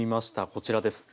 こちらです。